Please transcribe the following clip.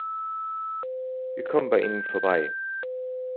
Wir kommen bei ihnen vorbei.